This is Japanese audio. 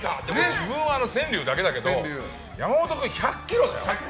自分は川柳だけだけど山本君、１００ｋｍだよ。